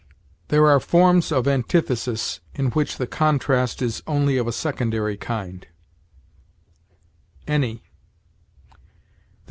There are forms of antithesis in which the contrast is only of a secondary kind. ANY.